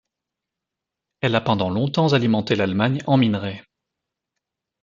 Elle a pendant longtemps alimenté l'Allemagne en minerais.